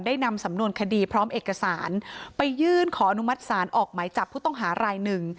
นำสำนวนคดีพร้อมเอกสารไปยื่นขออนุมัติศาลออกหมายจับผู้ต้องหารายหนึ่ง